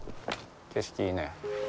景色いいね。